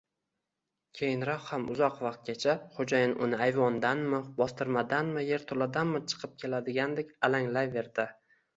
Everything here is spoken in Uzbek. Keyinroq ham uzoq vaqtgacha xo‘jayin uni ayvondanmi, bostirmadanmi, yerto‘ladanmi chiqib keladigandek alanglayverdi